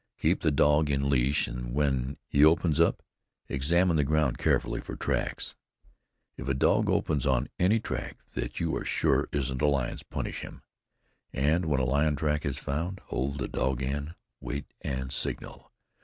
Keep the dog in leash, and when he opens up, examine the ground carefully for tracks. If a dog opens on any track that you are sure isn't lion's, punish him. And when a lion track is found, hold the dog in, wait and signal.